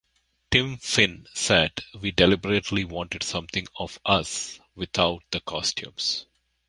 Tim Finn said, We deliberately wanted something of us without the costumes.